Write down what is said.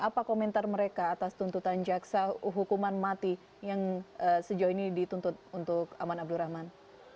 apa komentar mereka atas tuntutan jaksa hukuman mati yang sejauh ini dituntut untuk aman abdurrahman